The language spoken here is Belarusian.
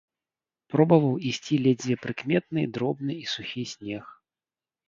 Пробаваў ісці ледзьве прыкметны, дробны і сухі снег.